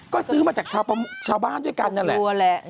ก็ซื้อมาจากชาวบ้านด้วยกันนั่นแหละ